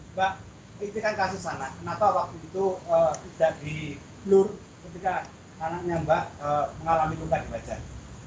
mbak itu kan kasus anak kenapa waktu itu tidak di lur ketika anaknya mbak mengalami tumpah di wajah